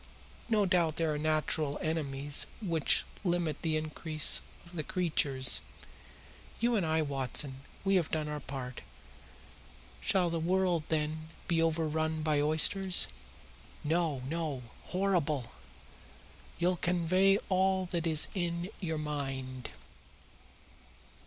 No doubt there are natural enemies which limit the increase of the creatures. You and I, Watson, we have done our part. Shall the world, then, be overrun by oysters? No, no; horrible! You'll convey all that is in your mind."